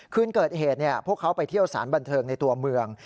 คืนเกิดเหตุพวกเขาไปเที่ยวสารบันเทิงในตัวเมือง